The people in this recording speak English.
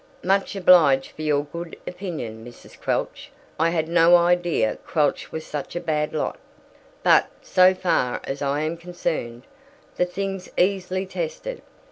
"Much obliged for your good opinion, Mrs. Quelch. I had no idea Quelch was such a bad lot. But, so far as I am concerned, the thing's easily tested.